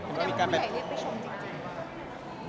เป็นไงผู้ใหญ่เลียกเผยชมจริงหรือเปล่า